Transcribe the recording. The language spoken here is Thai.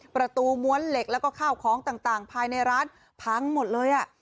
ประตูม้วนเหล็กแล้วก็ข้าวของต่างภายในร้านพังหมดเลย